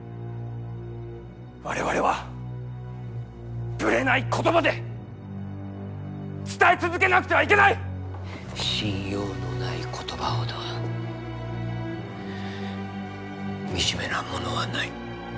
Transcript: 我々はぶれない言葉で伝え続けなくてはいけない！信用のない言葉ほど惨めなものはない。